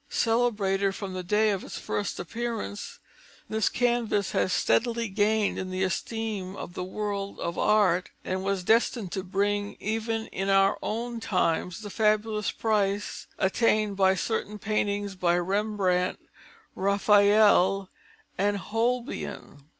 Celebrated from the day of its first appearance, this canvas has steadily gained in the esteem of the world of art and was destined to bring, even in our own times, the fabulous price attained by certain paintings by Rembrandt, Raphael, and Holbein.